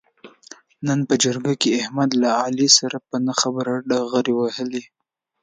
نن په جرګه کې احمد له علي سره په نه خبره ډغرې و وهلې.